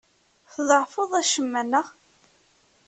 Tḍeɛfeḍ acemma, neɣ?